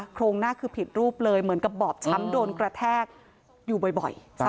โครงหน้าคือผิดรูปเลยเหมือนกับบอบช้ำโดนกระแทกอยู่บ่อย